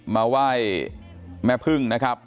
มาไหว้แม่พึ่งนะครับ